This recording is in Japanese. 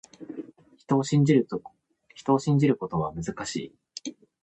人を信じるということは、難しい。